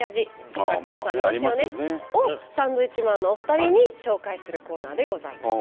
まあねありますよね。をサンドウィッチマンのお二人に紹介するコーナーでございます。